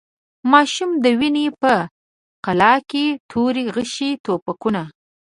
ماشوم ویني په قلا کي توري، غشي، توپکونه